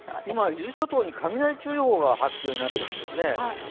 今、伊豆諸島に雷注意報が発表になっているんですね。